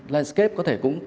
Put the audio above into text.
landscape có thể cũng